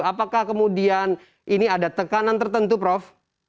apakah kemudian ini ada tekanan tertentu prof